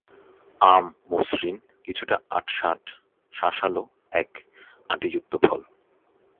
আম মসৃণ, কিছুটা আটসাঁট, শাঁসালো, এক আটিযুক্ত ফল।